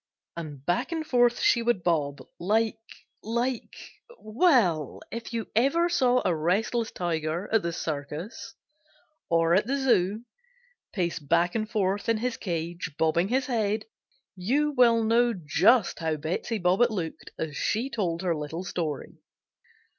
and back and forth she would bob, like like well, if you ever saw a restless tiger at the circus, or at the zoo, pace back and forth in his cage bobbing his head, you will know just how Betsey Bobbitt looked as she told her little story.